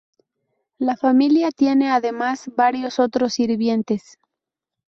La familia tiene además varios otros sirvientes.